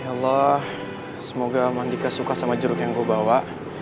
ya allah semoga mandika suka sama jeruk yang kau bawa